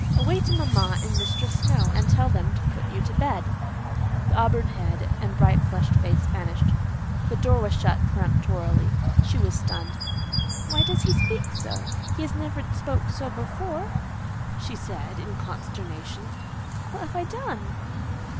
Away to mamma and Mistress Snowe, and tell them to put you to bed." The auburn head and bright flushed face vanished,—the door shut peremptorily. She was stunned. "Why does he speak so? He never spoke so before," she said in consternation. "What have I done?"